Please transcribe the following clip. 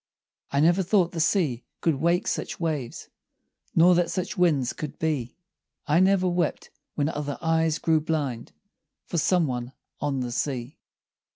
I never thought the sea could wake such waves, Nor that such winds could be; I never wept when other eyes grew blind For some one on the sea.